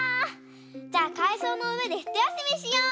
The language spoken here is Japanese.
じゃあかいそうのうえでひとやすみしよう。